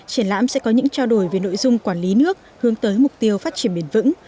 triển lãm sẽ có những trao đổi về nội dung quản lý nước hướng tới mục tiêu phát triển bền vững